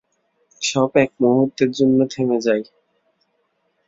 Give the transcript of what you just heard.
সব একমুহূর্তের জন্যে থেমে যায়।